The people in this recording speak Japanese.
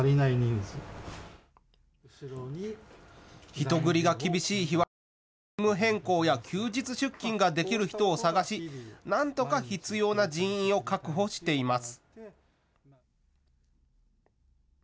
人繰りが厳しい日は勤務変更や休日出勤ができる人を探しなんとか必要な人員を確保しています。